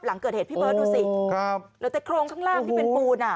หลังเกิดเหตุพี่เบิร์ตดูสิครับเหลือแต่โครงข้างล่างที่เป็นปูนอ่ะ